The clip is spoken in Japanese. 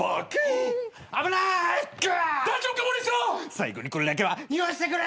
最後にこれだけは言わしてくれ！